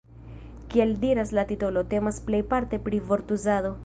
Kiel diras la titolo, temas plejparte pri vortuzado.